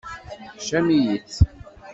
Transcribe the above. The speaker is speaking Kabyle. Teḥcam-iyi-tt.